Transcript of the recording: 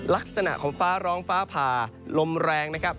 ลักษณะของฟ้าร้องฟ้าผ่าลมแรงนะครับ